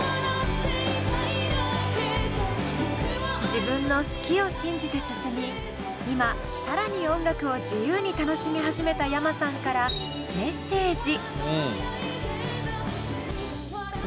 自分の好きを信じて進み今更に音楽を自由に楽しみ始めたｙａｍａさんからメッセージ。